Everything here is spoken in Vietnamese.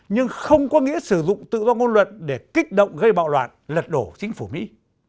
nhưng không có nghĩa sử dụng tự do ngôn luận để kích động gây bạo loạn lật đổ chính phủ mỹ